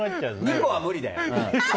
２個は無理だよ。